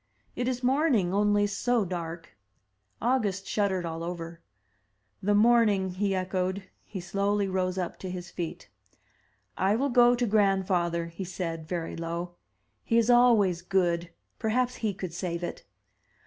It is morning, only so dark!'' August shuddered all over. "The morning!" he echoed. He slowly rose up to his feet. "I will go to grandfather,'' he said, very low. "He is always good: perhaps he could save it."